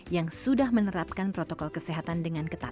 yang sudah menerapkan protokol kesehatan dengan ketat